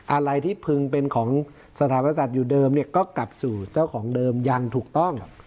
อะไรที่พึงเป็นของสถาปศัตว์อยู่เดิมเนี่ยก็กลับสู่เจ้าของเดิมอย่างถูกต้อง